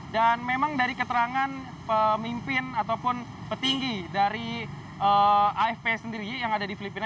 dan memang dari keterangan pemimpin ataupun petinggi dari afp sendiri yang ada di filipina